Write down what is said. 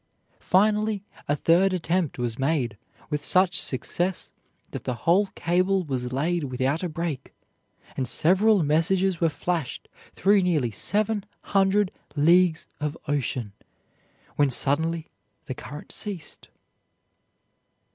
Finally a third attempt was made, with such success that the whole cable was laid without a break, and several messages were flashed through nearly seven hundred leagues of ocean, when suddenly the current ceased.